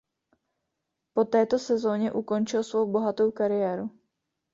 Po této sezoně ukončil svou bohatou kariéru.